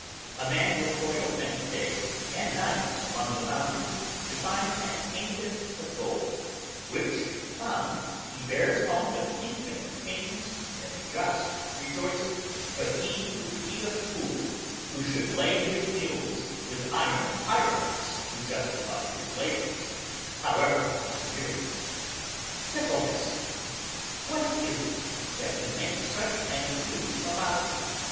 A man will toil many days and nights among the mountains to find an ingot of gold, which, found, he bears home with infinite pains and just rejoicing; but he would be a fool who should lade his mules with iron pyrites to justify his labors, however severe. Fickleness! what is it, that we make such an ado about it?